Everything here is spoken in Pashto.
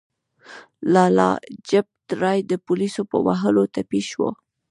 لالا لاجپت رای د پولیسو په وهلو ټپي شو.